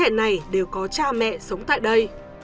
những trẻ này đều có cha mẹ sống tại đây